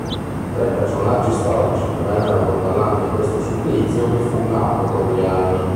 Tra i personaggi storici che vennero condannati a questo supplizio vi fu Napo Torriani.